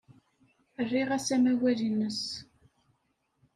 Rriɣ-as amawal-nnes.